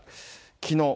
きのう。